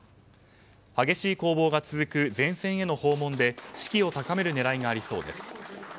激しい攻防が続く前線への訪問で士気を高める狙いがありそうです。